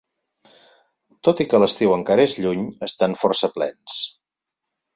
Tot i que l'estiu encara és lluny estan força plens.